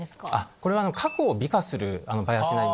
これは過去を美化するバイアスになりまして。